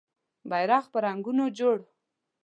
بېرغ په رنګونو جوړ